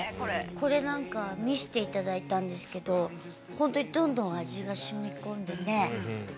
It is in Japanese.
これなんか、見せていただいたんですけど、本当にどんどん味がしみ込んでね。